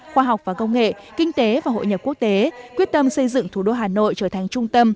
khoa học và công nghệ kinh tế và hội nhập quốc tế quyết tâm xây dựng thủ đô hà nội trở thành trung tâm